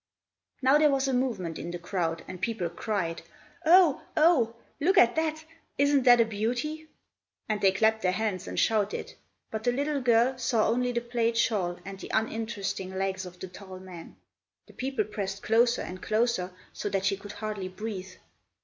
Now there was a movement in the crowd, and people cried, "Oh! oh! look at that! Isn't that a beauty?" And they clapped their hands and shouted; but the little girl saw only the plaid shawl and the uninteresting legs of the tall man. The people pressed closer and closer, so that she could hardly breathe.